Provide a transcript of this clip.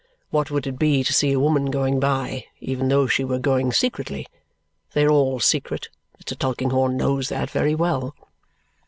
What would it be to see a woman going by, even though she were going secretly? They are all secret. Mr. Tulkinghorn knows that very well.